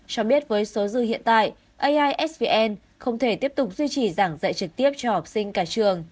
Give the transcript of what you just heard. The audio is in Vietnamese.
cho biết với số dư hiện tại aisvn không thể tiếp tục duy trì giảng dạy trực tiếp cho học sinh cả trường